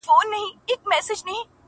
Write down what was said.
• ښکاري ولیده په تور کي زرکه بنده -